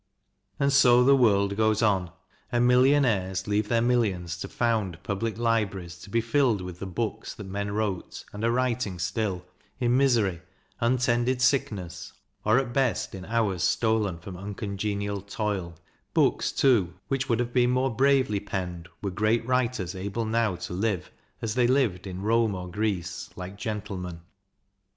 And so the world goes on, and millionaires leave their millions to found public libraries to be filled with the books that men wrote, and are writing still, in misery, untended sickness, or at best in hours stolen from uncongenial toil books, too, which would have been more bravely penned were great writers able now to live, as they lived in Rome or Greece, like gentlemen.